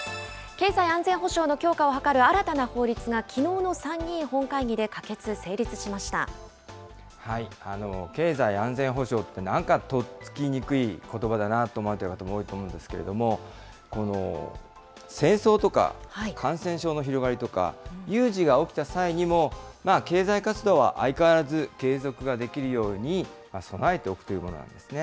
経済安全保障の強化を図る新たな法律がきのうの参議院本会議で可経済安全保障って、なんかとっつきにくいことばだなと思うと思うんですけれども、戦争とか感染症の広がりとか、有事が起きた際にも、経済活動は相変わらず継続ができるように備えておくというものなんですね。